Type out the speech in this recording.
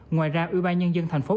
ngoài ra ủy ban dân dân thành phố